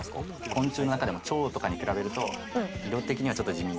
昆虫の中でも蝶とかに比べると色的にはちょっと地味。